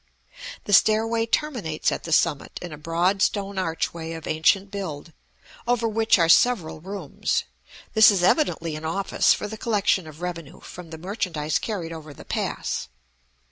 The stairway terminates at the summit in a broad stone archway of ancient build, over which are several rooms; this is evidently an office for the collection of revenue from the merchandise carried over the pass.